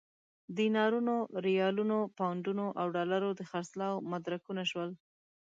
دینارونو، ریالونو، پونډونو او ډالرو د خرڅلاو مدرکونه شول.